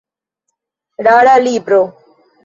Rara libro.